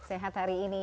sehat hari ini